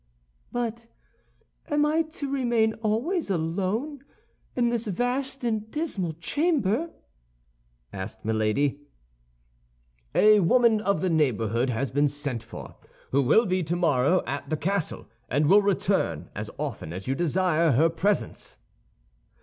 "But am I to remain always alone in this vast and dismal chamber?" asked Milady. "A woman of the neighbourhood has been sent for, who will be tomorrow at the castle, and will return as often as you desire her presence."